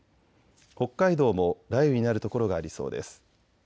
北海道も雷雨になる所がありそうです。